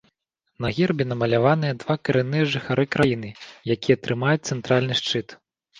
На гербе намаляваныя два карэнныя жыхары краіны, якія трымаюць цэнтральны шчыт.